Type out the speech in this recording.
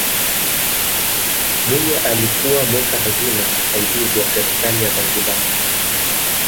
mwinyi alikuwa mweka hazina msaidizi wa serikali ya zanzibar